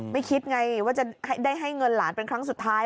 คิดไงว่าจะได้ให้เงินหลานเป็นครั้งสุดท้าย